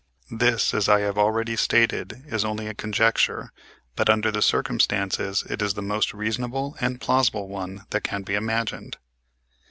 This, as I have already stated, is only a conjecture, but, under the circumstances, it is the most reasonable and plausible one that can be imagined.